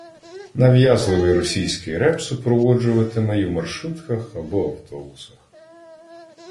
Нав’язливий російський реп супроводжуватиме й у маршрутках або автобусах